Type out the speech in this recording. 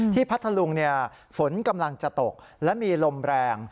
พัทธลุงฝนกำลังจะตกและมีลมแรง